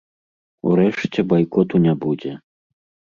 Урэшце, байкоту не будзе.